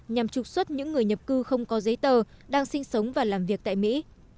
nhằm trục xuất những người nhập cư không có giấy tờ đang sinh sống và làm việc tại mỹ